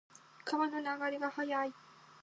川の流れが速い。